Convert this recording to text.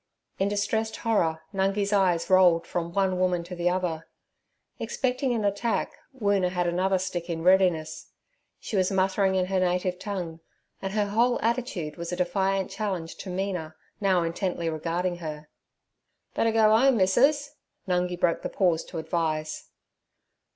In distressed horror Nungi's eyes rolled from one woman to the other. Expecting an attack Woona had another stick in readiness. She was muttering in her native tongue, and her whole attitude was a defiant challenge to Mina, now intently regarding her. 'Better go 'ome, missus' Nungi broke the pause to advise.